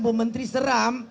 bu menteri seram